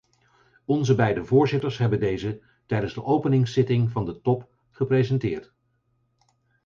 Onze beide voorzitters hebben deze tijdens de openingszitting van de top gepresenteerd.